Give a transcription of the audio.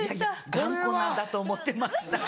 頑固なんだと思ってました。